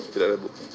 tidak ada booking